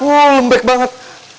wah lembek banget